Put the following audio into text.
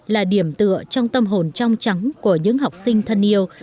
là điểm tựa trong tâm hồn trong trắng của những học sinh thân yêu